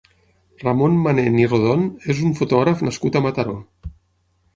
Ramon Manent i Rodon és un fotògraf nascut a Mataró.